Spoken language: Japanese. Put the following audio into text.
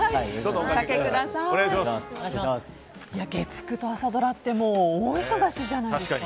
月９と朝ドラって、もう大忙しじゃないですか？